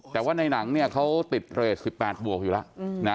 แต่ว่าในหนังเนี่ยเขาติดเรท๑๘บวกอยู่แล้วนะ